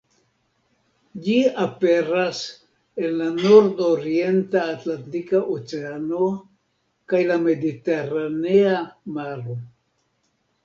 Ĝi aperas en la nord-orienta Atlantika Oceano kaj la Mediteranea Maro.